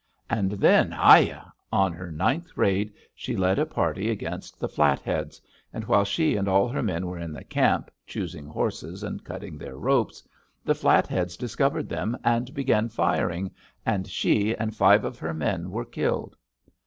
And then, haiya! On her ninth raid she led a party against the Flatheads, and while she and all her men were in the camp, choosing horses and cutting their ropes, the Flatheads discovered them and began firing, and she and five of her men were killed.